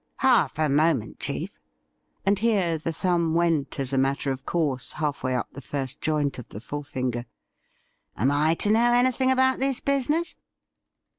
'Half a moment, chief — and here the thumb went, as a matter of course, halfway up the first joint of the fore fino er ;' am I to know anything about this business